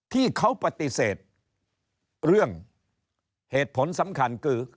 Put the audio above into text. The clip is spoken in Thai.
ที่เขาปฏิเสธเรื่องเหตุผลสำคัญคือ